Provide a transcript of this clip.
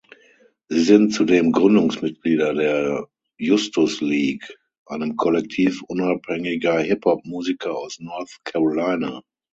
Sie sind zudem Gründungsmitglieder der Justus League, einem Kollektiv unabhängiger Hip-Hop-Musiker aus North Carolina.